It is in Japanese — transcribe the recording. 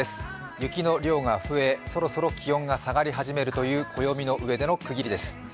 雪の量が増え、そろそろ気温が下がり始めるという暦の上での区切りです。